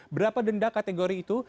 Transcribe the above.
berapa denda kategori itu